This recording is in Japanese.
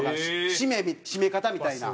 締め締め方みたいな。